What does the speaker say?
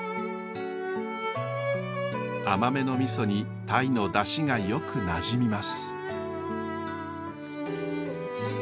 甘めのみそに鯛の出汁がよくなじみます。